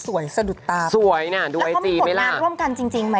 สวยนะดูไอจีแม่ละ